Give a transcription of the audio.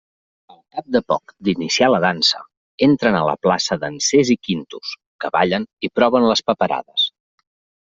Al cap de poc d'iniciar la dansa entren a la plaça dansers i quintos, que ballen i proven les paperades.